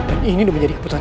ini nih menjadi keputusan